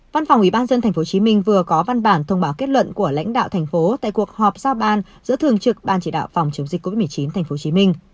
văn phòng ủy ban dân tp hcm vừa có văn bản thông báo kết luận của lãnh đạo thành phố tại cuộc họp giao ban giữa thường trực ban chỉ đạo phòng chống dịch covid một mươi chín tp hcm